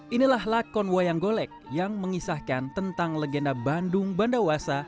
inilah lakon wayang golek yang mengisahkan tentang legenda bandung bandawasa